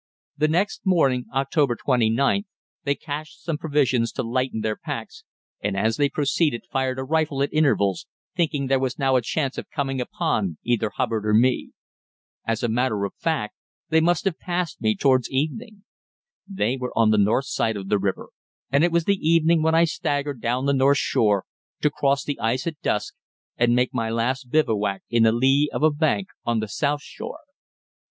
The next morning (October 29th) they cached some provisions to lighten their packs, and as they proceeded fired a rifle at intervals, thinking there was now a chance of coming upon either Hubbard or me. As a matter of fact they must have passed me towards evening. They were on the north side of the river, and it was the evening when I staggered down the north shore, to cross the ice at dusk and make my last bivouac in the lee of a bank on the south shore.